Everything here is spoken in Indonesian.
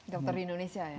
dokter indonesia ya